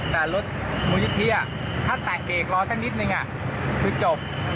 แต่รถมุยที่ถ้าแตกเกรกรอแค่นิดหนึ่งคือจบ